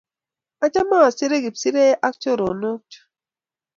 Achame asire kipsirei ak choronok chu